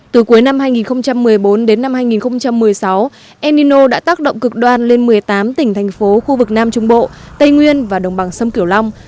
từ cuối năm hai nghìn một mươi bốn đến năm hai nghìn một mươi sáu enino đã tác động cực đoan lên một mươi tám tỉnh thành phố khu vực nam trung bộ tây nguyên và đồng bằng sông kiểu long